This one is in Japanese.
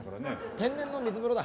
天然の水風呂だ。